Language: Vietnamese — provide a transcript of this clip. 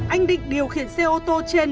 anh định điều khiển xe ô tô trên